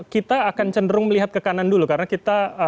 kita akan cenderung melihat ke kanan dulu karena kita